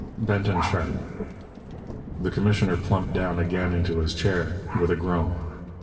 "Benton Sharp." The commissioner plumped down again into his chair, with a groan.